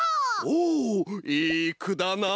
おおいいくだな！